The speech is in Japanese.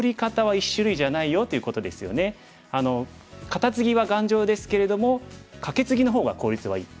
カタツギは頑丈ですけれどもカケツギの方が効率はいい。